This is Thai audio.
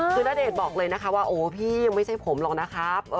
คือณเดชน์บอกเลยนะคะว่าโอ้พี่ยังไม่ใช่ผมหรอกนะครับ